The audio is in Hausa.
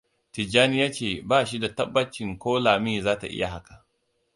Tijjani ya ce ba shi da tabbacin ko Lami za ta iya haka.